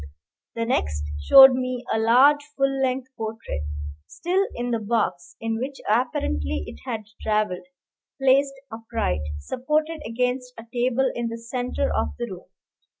The next showed me a large full length portrait, still in the box in which apparently it had travelled, placed upright, supported against a table in the centre of the room.